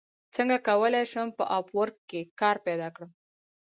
څنګه کولی شم په اپ ورک کې کار پیدا کړم